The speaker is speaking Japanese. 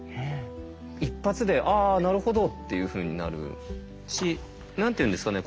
一発で「ああなるほど」っていうふうになるし何て言うんですかね